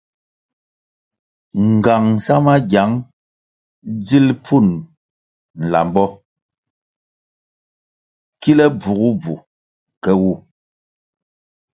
Ngang sa magiang dzil pfun lambo kile bvugubvu ke wu.